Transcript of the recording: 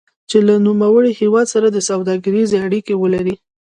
چې له نوموړي هېواد سره سوداګریزې اړیکې ولري.